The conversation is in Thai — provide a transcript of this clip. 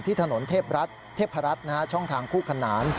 ที่ถนนเทพรัฐช่องทางคู่คันนาน